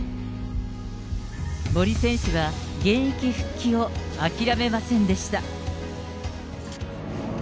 森選手は、現役復帰を諦めませんでした。